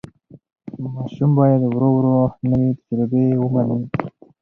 ماشوم باید ورو ورو نوې تجربې ومني.